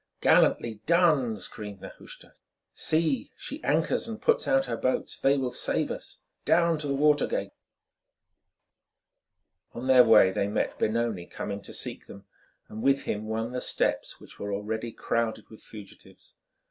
"Gallantly done!" screamed Nehushta. "See, she anchors and puts out her boats; they will save us yet. Down to the water gate!" On their way they met Benoni coming to seek them, and with him won the steps which were already crowded with fugitives.